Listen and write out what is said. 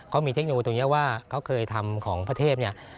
เขามีเทคโนโลยีนะว่าเขาเขยทำของพระเทพ